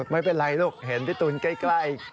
ไม่เป็นไรลูกเห็นพี่ตูนใกล้